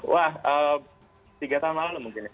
wah tiga tahun lalu mungkin ya